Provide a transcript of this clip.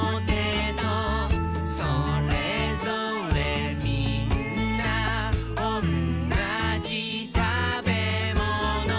「それぞれみんなおんなじたべもの」